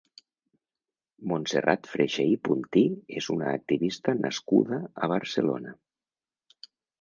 Montserrat Freixer i Puntí és una activista nascuda a Barcelona.